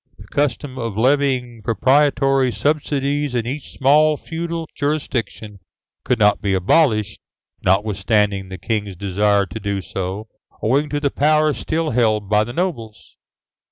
The custom of levying proprietary subsidies in each small feudal jurisdiction could not be abolished, notwithstanding the King's desire to do so, owing to the power still held by the nobles.